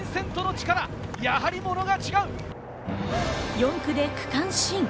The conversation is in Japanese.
４区で区間新。